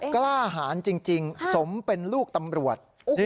กล้าหารจริงสมเป็นลูกตำรวจ